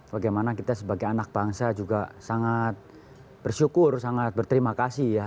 bagaimana kita sebagai anak bangsa juga sangat bersyukur sangat berterima kasih ya